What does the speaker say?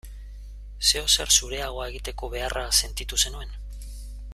Zeozer zureagoa egiteko beharra sentitu zenuen?